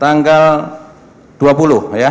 tanggal dua puluh ya